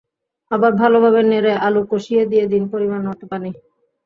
আবারও ভালোভাবে নেড়ে আলু কষিয়ে দিয়ে দিন পরিমাণমতো পানি।